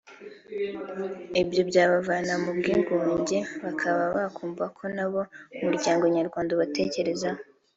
ibyo byabavana mu bwigunge bakaba bakumva ko na bo umuryango Nyarwanda ubatekerezaho